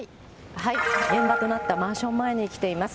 現場となったマンション前に来ています。